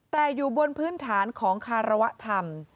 แต่อยู่บนพื้นฐานของคารวธรรม